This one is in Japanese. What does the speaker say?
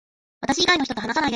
私以外の人と話さないで